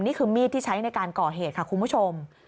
นี่คือมีดที่ใช้ในการก่อเหตุค่ะคุณผู้ชม